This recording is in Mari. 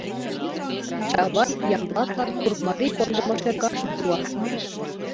Чавай Ямблатлан курыкмарий кондымо шергашым пуа.